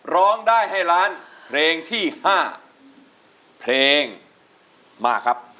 เพราะฉะนั้นเพลงที่๕เพลงมาครับ